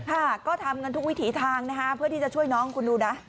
ค่ะก็ทำกันทุกวิถีทางนะคะเพื่อที่จะช่วยน้องคุณดูนะ